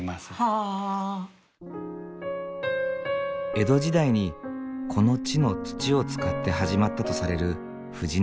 江戸時代にこの地の土を使って始まったとされる布志名焼。